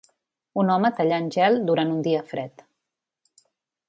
Un home tallant gel durant un dia fred.